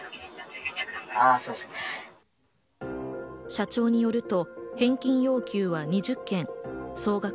社長によると、返金要求は２０件、総額